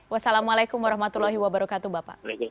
wassalamualaikum warahmatullahi wabarakatuh bapak